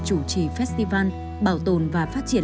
chủ trì festival bảo tồn và phát triển